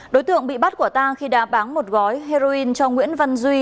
đối tượng bị bắt của ta khi đã bán một gói heroin cho nguyễn văn duy